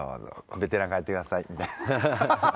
ベテラン帰ってくださいみたいな。